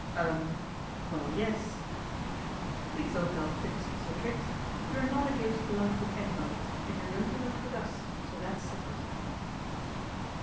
Er well, yes." " Please don't tell fibs, Mr. Triggs. You're not engaged to lunch with anybody, and you're going to lunch with us, so that's settled."